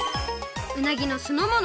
うなぎのすのもの